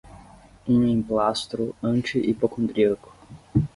um emplastro anti-hipocondríaco